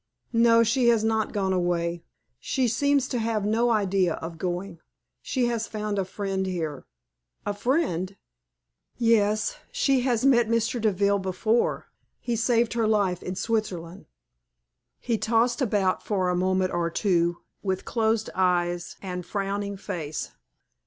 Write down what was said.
"No, she has not gone away. She seems to have no idea of going. She has found a friend here." "A friend?" "Yes; she has met Mr. Deville before. He saved her life in Switzerland." He tossed about for a moment or two with closed eyes and frowning face.